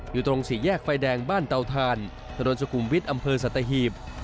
อยู่ตรงสี่แยกไฟแดงบ้านเตาทานถนนสุขุมวิทย์อำเภอสัตหีบ